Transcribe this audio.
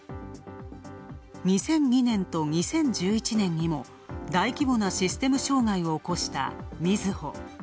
２００２年と２０１１年にも大規模なシステム障害を起こしたみずほ。